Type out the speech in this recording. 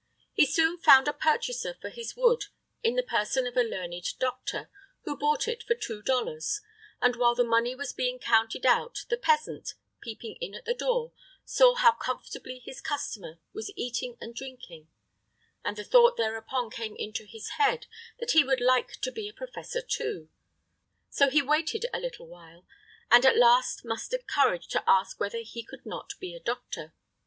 He soon found a purchaser for his wood in the person of a learned doctor, who bought it for two dollars, and, while the money was being counted out, the peasant, peeping in at the door, saw how comfortably his customer was eating and drinking; and the thought thereupon came into his head that he would like to be a professor, too. So he waited a little while, and at last mustered courage to ask whether he could not be a doctor.